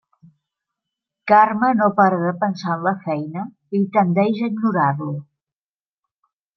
Carme no para de pensar en la feina i tendeix a ignorar-lo.